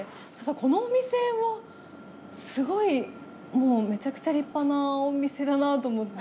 このお店はすごいもうめちゃくちゃ立派なお店だなと思って。